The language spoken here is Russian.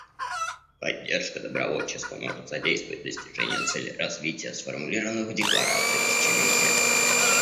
Поддержка добровольчества может содействовать достижению целей развития, сформулированных в Декларации тысячелетия.